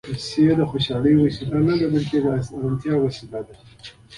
پېسې د خوشالۍ وسیله نه ده، بلکې د اسانتیا وسیله ده.